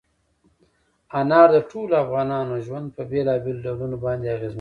انار د ټولو افغانانو ژوند په بېلابېلو ډولونو باندې اغېزمنوي.